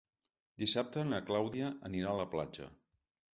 Dissabte na Clàudia anirà a la platja.